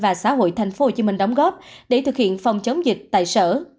và xã hội tp hcm đóng góp để thực hiện phòng chống dịch tại sở